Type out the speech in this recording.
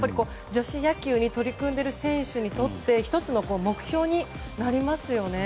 女子野球に取り組んでいる選手にとって１つの目標になりますよね。